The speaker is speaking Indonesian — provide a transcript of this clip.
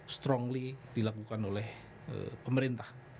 strongly dilakukan oleh pemerintah